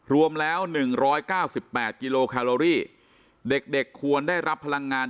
รวมแล้ว๑๙๘กิโลแคลอรี่เด็กควรได้รับพลังงาน